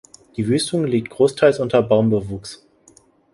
Die Wüstung liegt großteils unter Baumbewuchs.